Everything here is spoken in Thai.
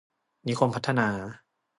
นิคมพัฒนา